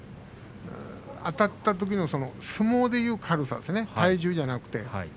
あたったときの相撲でいう軽さですね、体重じゃなくて。